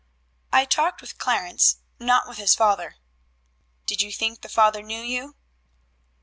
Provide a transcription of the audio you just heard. "I talked with Clarence, not with his father." "Did you think the father knew you?"